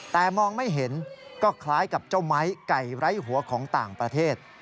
แต่มองไม่เห็นก็คล้ายกับเจ้าไม้ไก่ไร้หัวของต่างประเทศ